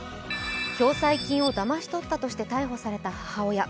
共済金をだまし取ったとして逮捕された母親。